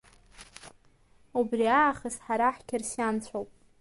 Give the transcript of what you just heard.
Убри аахыс ҳара ҳқьырсианцәоуп.